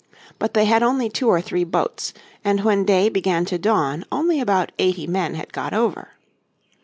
But they had only two or three boats and when day began to dawn only about eighty men had got over.